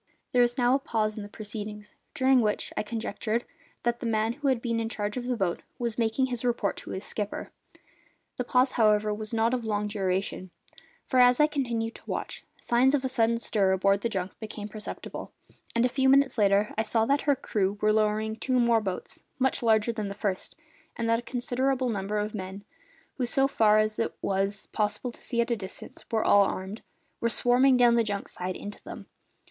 There was now a pause in the proceedings, during which, I conjectured, the man who had been in charge of the boat was making his report to his skipper. The pause, however, was not of long duration, for, as I continued to watch, signs of a sudden stir aboard the junk became perceptible, and a few minutes later I saw that her crew were lowering two more boats, much larger than the first, and that a considerable number of men who, so far as it was possible to see at that distance, were all armed were swarming down the junk's side into them.